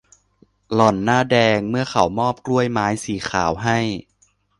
หล่อนหน้าแดงเมื่อเขามอบกล้วยไม้สีขาวให้